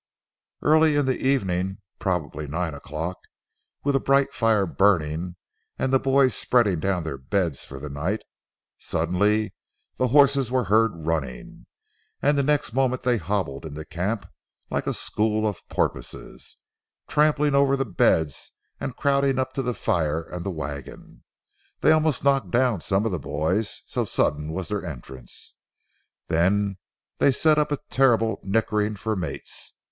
Early in the evening, probably nine o'clock, with a bright fire burning, and the boys spreading down their beds for the night, suddenly the horses were heard running, and the next moment they hobbled into camp like a school of porpoise, trampling over the beds and crowding up to the fire and the wagon. They almost knocked down some of the boys, so sudden was their entrance. Then they set up a terrible nickering for mates.